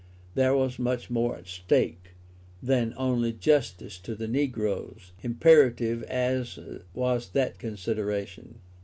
There was much more at stake than only justice to the negroes, imperative as was that consideration.